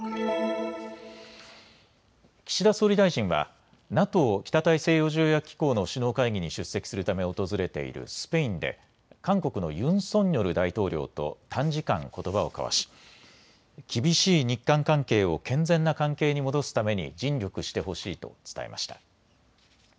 岸田総理大臣はＮＡＴＯ・北大西洋条約機構の首脳会議に出席するため訪れているスペインで韓国のユン・ソンニョル大統領と短時間、ことばを交わし、厳しい日韓関係を健全な関係に戻すために尽力してほしいと伝えました。